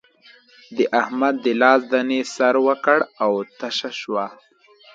د احمد د لاس دانې سر وکړ او تشه شوه.